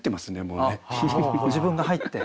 もうご自分が入って？